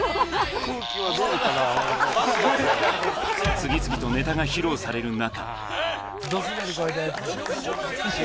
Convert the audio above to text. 次々とネタが披露される中。